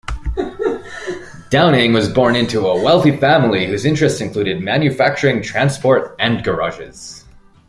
Downing was born into a wealthy family, whose interests included manufacturing, transport and garages.